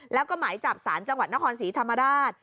แล้วก็หมายจับสารจังหวัดนครศรีธรรมราช